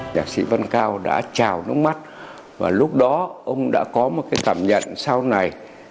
nhạc sĩ văn cao đã trào nước mắt và lúc đó ông đã có một cái cảm nhận sau này